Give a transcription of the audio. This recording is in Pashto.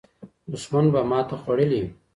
دښمن به ماته خوړلې وي.